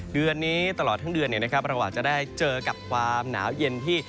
เดือนนี้ตลอดทั้งเดือนเราอาจจะได้เจอกับความหนาวเย็นที่